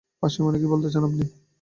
ফাঁসি মানে, কী বলতে চান আপনি?